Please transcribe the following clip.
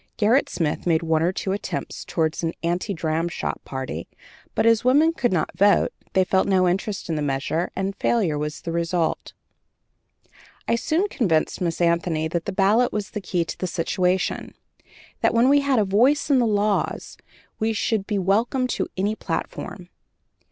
Gerrit Smith made one or two attempts toward an "anti dramshop" party, but, as women could not vote, they felt no interest in the measure, and failure was the result. I soon convinced Miss Anthony that the ballot was the key to the situation; that when we had a voice in the laws we should be welcome to any platform.